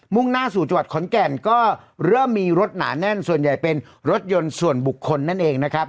่งหน้าสู่จังหวัดขอนแก่นก็เริ่มมีรถหนาแน่นส่วนใหญ่เป็นรถยนต์ส่วนบุคคลนั่นเองนะครับ